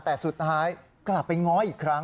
แต่สุดท้ายกลับไปง้ออีกครั้ง